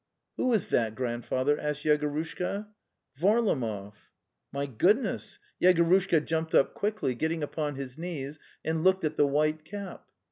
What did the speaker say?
"Who is that, Grandfather?" asked Yegorushka. iiVarlamoy.:' My goodness! Yegorushka jumped up quickly, The Steppe 265 getting upon his knees, and looked at the white cap.